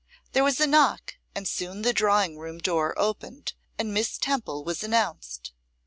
There was a knock, and soon the drawing room door opened, and Miss Temple was announced.